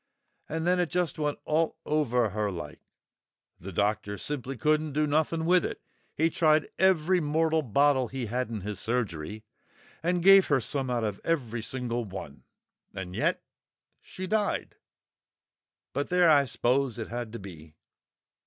And then it just went all over her like. The doctor simply couldn't do nothing with it. He tried every mortal bottle he had in his surgery, and gave her some out of every single one, and yet she died! But there, I s'pose it had to be!"